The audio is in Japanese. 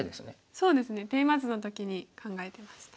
そうですねテーマ図の時に考えてました。